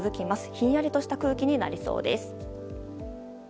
ひんやりとした空気になりそうです。